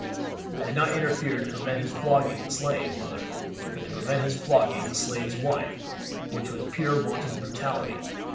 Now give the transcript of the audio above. "I did not interfere to prevent his flogging the slave, mother, but to prevent his flogging the slave's wife, which was pure wanton brutality.